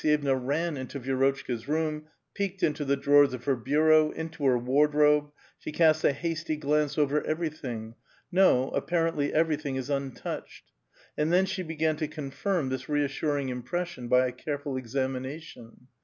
jyevna ran into Yi^rotchka's room, peeked into the drawers of her bu I^K^^^' into her wardrobe ; she cast a hasty glance over every tuiug J no, apparently everything is untouched. And then ®*^^ L>egan to confirm this reassuring impression by a careful ^^.^ixiination.